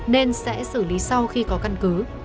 nên sẽ xử lý sau khi có căn cứ